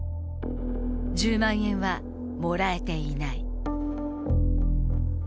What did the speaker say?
１０万円はもらえていない。